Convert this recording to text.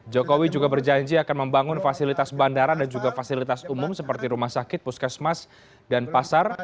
jokowi juga berjanji akan membangun fasilitas bandara dan juga fasilitas umum seperti rumah sakit puskesmas dan pasar